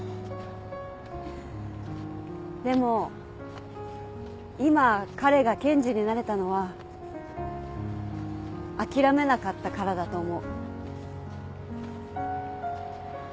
でも今彼が検事になれたのは諦めなかったからだと思う。